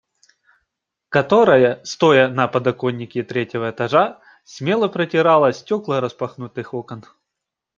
Которая, стоя на подоконнике третьего этажа, смело протирала стекла распахнутых окон.